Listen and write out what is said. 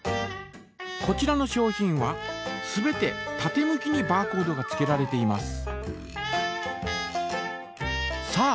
こちらの商品は全て縦向きにバーコードがつけられています。